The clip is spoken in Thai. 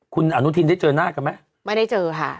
คุณอนุทินได้เจอหน้ากันไหมไม่ได้เจอค่ะ